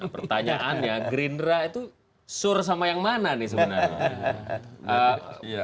pertanyaannya gerindra itu sur sama yang mana nih sebenarnya